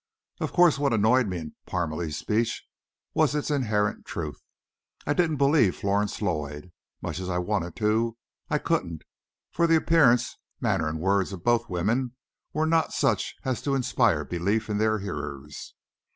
Of course what annoyed me in Parmalee's speech was its inherent truth. I didn't believe Florence Lloyd. Much as I wanted to, I couldn't; for the appearance, manner and words of both women were not such as to inspire belief in their hearers.